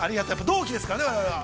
同期ですからね、我々は。